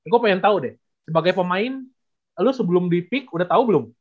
gue pengen tau deh sebagai pemain lu sebelum di pik udah tau belum